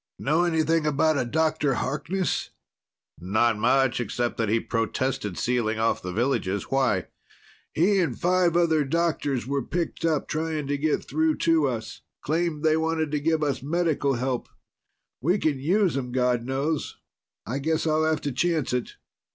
"Know anything about a Dr. Harkness?" "Not much, except that he protested sealing off the villages. Why?" "He and five other doctors were picked up, trying to get through to us. Claimed they wanted to give us medical help. We can use them, God knows. I guess I'll have to chance it."